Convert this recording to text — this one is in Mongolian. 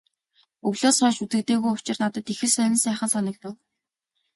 Өвлөөс хойш үзэгдээгүй учир надад их л сонин сайхан санагдав.